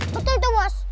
betul tuh bos